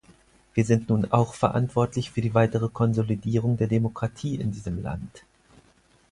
Wir sind nun auch verantwortlich für die weitere Konsolidierung der Demokratie in diesem Land.